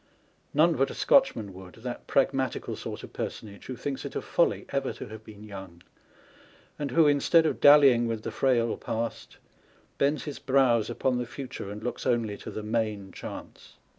None but a Scotchman would â€" that pragmatical sort of personage, who thinks it a folly ever to have been young, and who, instead of dallying with the frail past, bends his brows upon the future, and looks only to the main chance.